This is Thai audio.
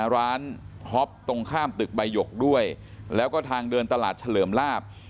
ฮอปตรงข้ามตึกใบหยกด้วยแล้วก็ทางเดินตลาดเฉลิมลาบ